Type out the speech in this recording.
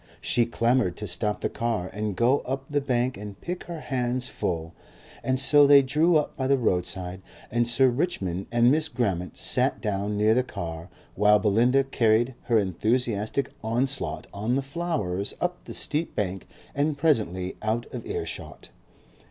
She clamoured to stop the car and go up the bank and pick her hands full, and so they drew up by the roadside and Sir Richmond and Miss Grammont sat down near the car while Belinda carried her enthusiastic onslaught on the flowers up the steep bank and presently out of earshot.